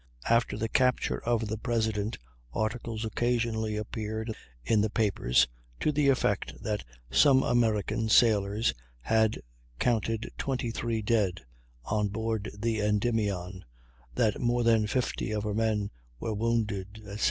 After the capture of the President articles occasionally appeared in the papers to the effect that some American sailor had counted "23 dead" on board the Endymion, that "more than 50" of her men were wounded, etc.